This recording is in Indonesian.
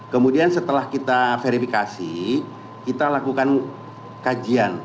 kemudian setelah kita verifikasi kita lakukan kajian